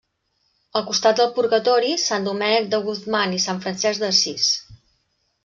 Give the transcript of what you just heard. Al costat del Purgatori, Sant Domènec de Guzmán i Sant Francesc d'Assís.